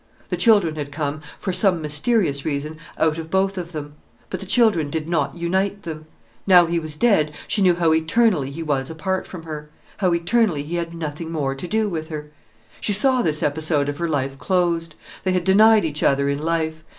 The children had come, for some mysterious reason, out of both of them. But the children did not unite them. Now he was dead, she knew how eternally he was apart from her, how eternally he had nothing more to do with her. She saw this episode of her life closed. They had denied each other in life.